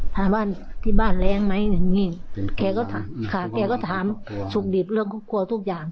ถามว่าที่บ้านแรงไหมแกก็ถามแกก็ถามสุขดีเรื่องครอบครัวทุกอย่าง